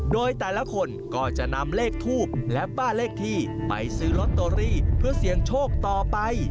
โดยแต่ละคนก็จะนำเลขทูบและป้าเลขที่ไปซื้อลอตเตอรี่เพื่อเสี่ยงโชคต่อไป